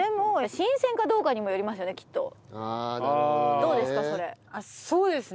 どうですか？